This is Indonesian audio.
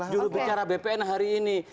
juru bicara bpn hari ini